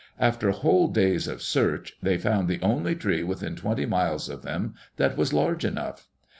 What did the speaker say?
After whole days of search, they found the only tree within twenty miles of them that was large enough.